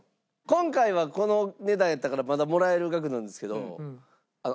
今回はこの値段やったからまだもらえる額なんですけど。